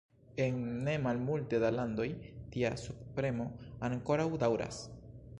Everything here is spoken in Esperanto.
En ne malmulte da landoj, tia subpremo ankoraŭ daŭras.